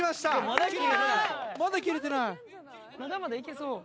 まだまだ行けそう。